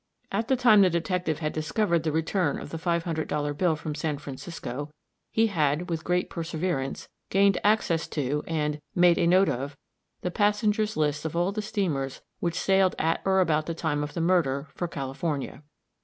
At the time the detective had discovered the return of the five hundred dollar bill from San Francisco, he had, with great perseverance, gained access to, and "made a note of" the passengers' lists of all the steamers which sailed at or about the time of the murder, for California.